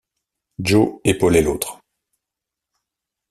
Joe épaulait l’autre.